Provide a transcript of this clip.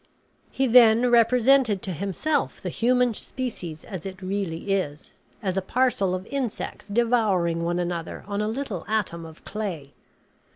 He then represented to himself the human species as it really is, as a parcel of insects devouring one another on a little atom of clay.